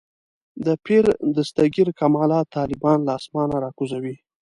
د پیر دستګیر کمالات طالبان له اسمانه راکوزوي.